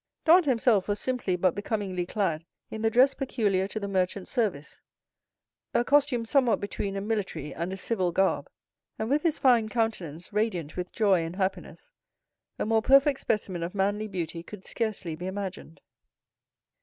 Dantès himself was simply, but becomingly, clad in the dress peculiar to the merchant service—a costume somewhat between a military and a civil garb; and with his fine countenance, radiant with joy and happiness, a more perfect specimen of manly beauty could scarcely be imagined.